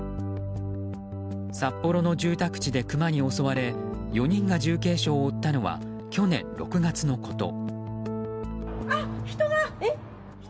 札幌の住宅地でクマに襲われ４人が重軽傷を負ったのは去年６月のこと。